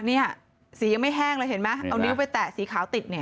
สียังไม่แห้งเลยเห็นไหมเอานิ้วไปแตะสีขาวติดเนี่ย